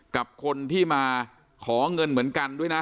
กับคนที่มาขอเงินเหมือนกันด้วยนะ